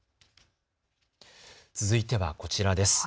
続いてはこちらです。